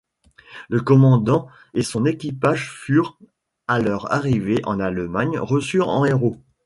Le commandant et son équipage furent, à leur arrivée en Allemagne, reçus en héros.